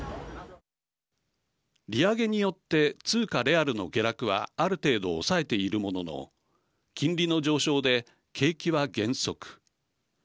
利上げによって通貨レアルの下落はある程度、抑えているものの金利の上昇で、景気は減速。